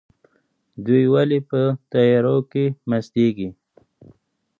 دوی ولې په تیارو کې مستیږي؟